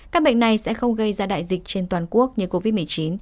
các bệnh này sẽ không gây ra đại dịch trên toàn quốc như covid một mươi chín